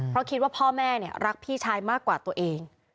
เพราะคิดว่าพ่อแม่รักพี่ชายมากกว่าตัวเอง